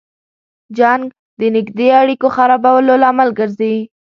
جنګ د نږدې اړیکو خرابولو لامل ګرځي.